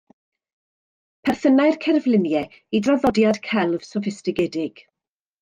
Perthynai'r cerfluniau i draddodiad celf soffistigedig.